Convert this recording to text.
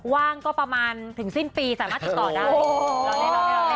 ว่างก็ประมาณถึงสิ้นปีสามารถติดต่อได้